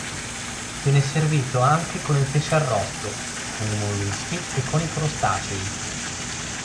Viene servito anche con il pesce arrosto, con i molluschi e con i crostacei.